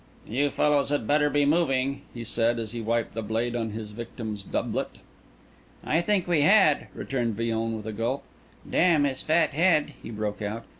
"You fellows had better be moving," he said, as he wiped the blade on his victim's doublet. "I think we had," returned Villon with a gulp. "Damn his fat head!" he broke out.